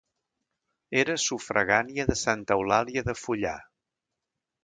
Era sufragània de Santa Eulàlia de Fullà.